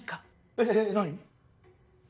えっ何？